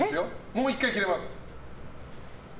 もう１回切れます。